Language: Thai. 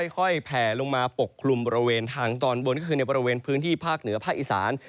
แผลลงมาปกคลุมบริเวณทางตอนบนก็คือในบริเวณพื้นที่ภาคเหนือภาคอีสาน